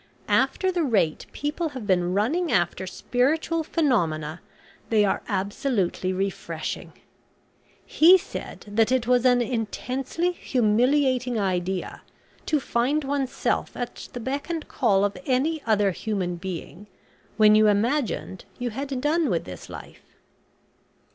After the rate people have been running after spiritual phenomena, they are absolutely refreshing. He said that it was an intensely humiliating idea to find oneself at the beck and call of any other human being when you imagined you had done with this life."